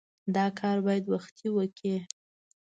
دا کار باید وختي وکړې.